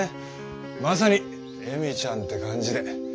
まさに恵美ちゃんって感じで。